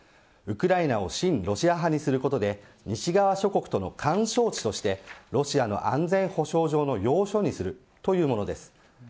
ウクライナを親ロシア派にすることで西側諸国との緩衝地としてロシアの安全保障上の要所にするというものです。